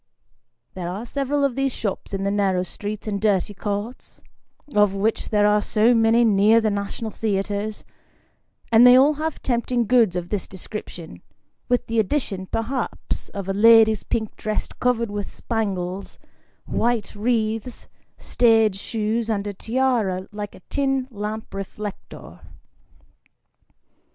There are several of these shops in the narrow streets and dirty courts, of which there are so many near the national theatres, and they all have tempting goods of this description, with the addition, perhaps, of a lady's pink dress covered with spangles ; white wreaths, stage shoes, and a tiara like a tin lamp reflector.